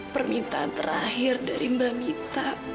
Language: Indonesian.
permintaan terakhir dari mbak mita